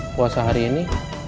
puasa hari ini